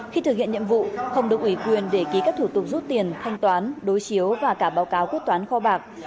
khi thực hiện nhiệm vụ không được ủy quyền để ký các thủ tục rút tiền thanh toán đối chiếu và cả báo cáo quyết toán kho bạc